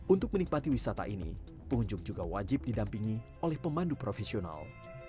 untuk menikmati wisata ini pengunjung juga wajib didampingi oleh pemandu profesional